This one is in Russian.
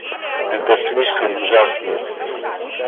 Это слишком ужасно.